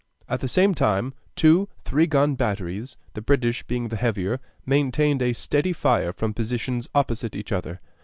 At the same time two three gun batteries, the British being the heavier, maintained a steady fire from positions opposite each other.